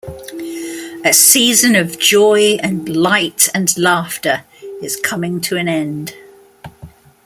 A season of joy and light and laughter is coming to an end.